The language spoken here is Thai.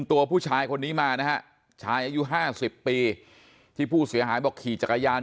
ตัวผู้ชายคนนี้มานะฮะชายอายุ๕๐ปีที่ผู้เสียหายบอกขี่จักรยาน